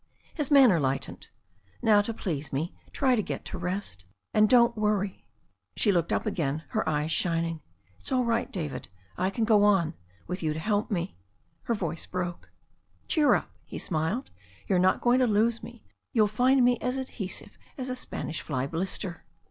His manner lightened. "Now, to please me, you try to rest. And don't worry." She looked up again, her eyes shining. "It's all right, David. I can go on — ^with you to help me Her voice broke. "Cheer up," he smiled. "You are not going to lose me. You'll find me as adhesive as a Spanish fly blister."